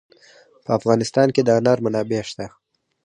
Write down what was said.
په افغانستان کې د انار منابع شته.